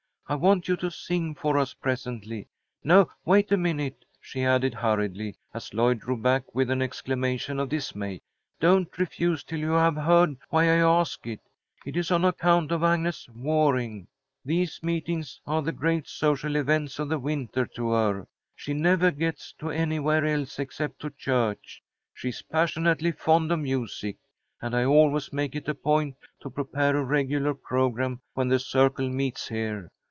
"I want you to sing for us presently. No, wait a minute," she added, hurriedly, as Lloyd drew back with an exclamation of dismay. "Don't refuse till you have heard why I ask it. It is on account of Agnes Waring. These meetings are the great social events of the winter to her. She never gets to go anywhere else except to church. She's passionately fond of music, and I always make it a point to prepare a regular programme when the Circle meets here.